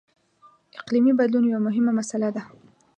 • اقلیمي بدلون یوه مهمه مسله ده.